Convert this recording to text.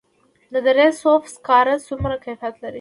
د دره صوف سکاره څومره کیفیت لري؟